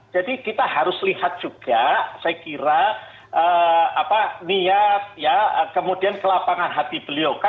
jadi kita harus lihat juga saya kira niat kemudian ke lapangan hati beliau